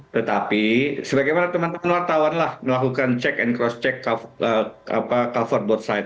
tetapi sebagaimana teman teman wartawan melakukan cek dan cross check cover board site